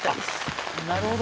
なるほど。